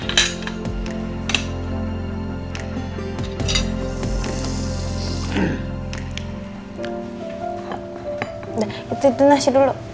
udah itu nasi dulu